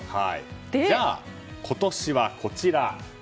じゃあ、今年はこちら。